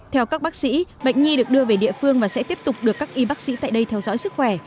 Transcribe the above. theo các bác sĩ bệnh nhi được đưa về địa phương và sẽ tiếp tục được các y bác sĩ tại đây theo dõi sức khỏe